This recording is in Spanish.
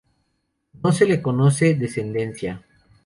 No se le conoce descendencia.